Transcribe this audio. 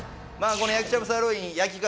この焼きしゃぶサーロイン焼き方